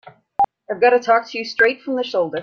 I've got to talk to you straight from the shoulder.